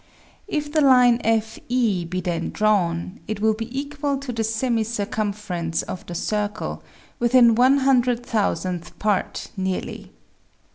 If the line FE be then Fig. 2. drawn, it will be equal to the semi circumference of the circle, within one hundred thousandth part nearly.